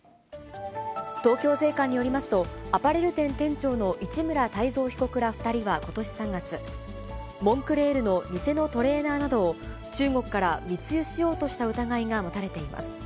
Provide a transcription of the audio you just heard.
東京税関によりますと、アパレル店店長の市村泰三被告ら２人はことし３月、モンクレールの偽のトレーナーなどを中国から密輸しようとした疑いが持たれています。